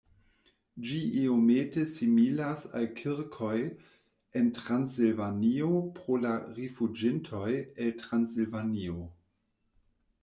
Ĝi iomete similas al kirkoj en Transilvanio pro la rifuĝintoj el Transilvanio.